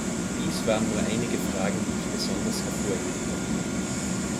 Dies waren nur einige Fragen, die ich besonders hervorheben wollte.